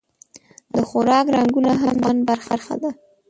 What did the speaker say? د خوراک رنګونه هم د خوند برخه ده.